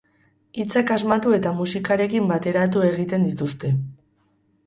Hitzak asmatu eta musikarekin bateratu egiten dituzte.